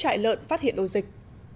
các trại lợn phát hiện ổ dịch